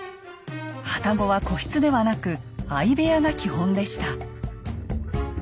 旅籠は個室ではなく相部屋が基本でした。